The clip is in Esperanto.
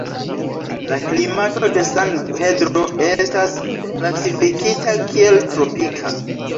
La klimato de San Pedro estas klasifikita kiel tropika.